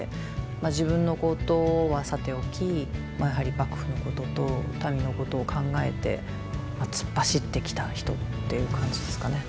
自分のことはさておきやはり幕府のことと民のことを考えて突っ走ってきた人っていう感じですかね。